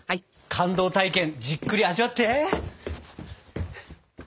感動体験じっくり味わって！